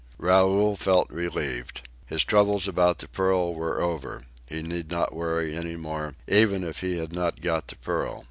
Raoul felt relieved. His troubles about the pearl were over. He need not worry any more, even if he had not got the pearl.